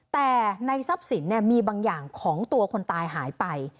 แต่ในทรัพย์สินมีบางอย่างของตัวคนตายหายไป